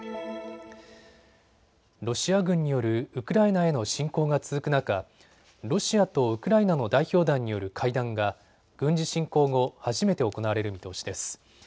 ロシア軍によるウクライナへの侵攻が続く中、ロシアとウクライナの代表団による会談が軍事侵攻後、初めて行われる見通しです。